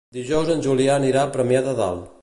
Dijous en Julià anirà a Premià de Dalt.